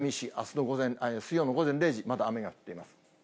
熱海市、水曜の午前０時、まだ雨が降っています。